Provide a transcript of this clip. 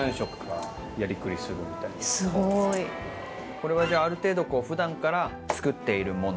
これはじゃあある程度こう普段から作っているもの？